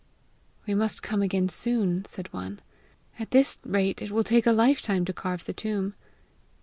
"We must come again soon!" said one. "At this rate it will take a life time to carve the tomb."